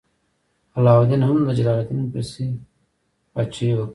علاوالدین هم د جلال الدین پسې پاچاهي وکړه.